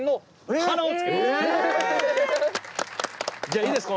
じゃあいいですか？